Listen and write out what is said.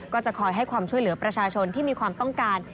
ก็จะคอยให้ความช่วยเหลือประชาชนที่มีความต้องการ